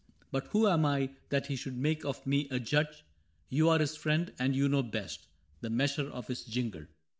But who am I that he should make of me A judge ? You are his friend, and you know best The measure of his jingle.